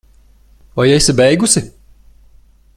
Vai esi beigusi?